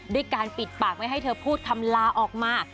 ด้วยการปิดปากไม่ให้เธอพูดคำลาออกมา